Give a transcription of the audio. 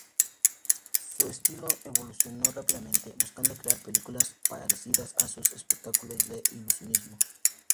Su estilo evolucionó rápidamente, buscando crear películas parecidas a sus espectáculos de ilusionismo.